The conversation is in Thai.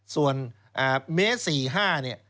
ส่วนเมตร๔๕เนี่ย